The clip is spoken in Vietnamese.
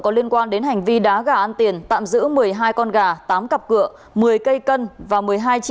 có liên quan đến hành vi đá gà ăn tiền tạm giữ một mươi hai con gà tám cặp cựa một mươi cây cân và một mươi hai triệu ba trăm linh nghìn đồng